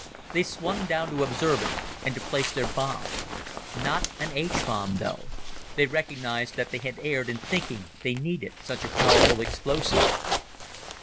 They swung down to observe it and to place their bomb. Not an H bomb though they recognized that they had erred in thinking they needed such a powerful explosive.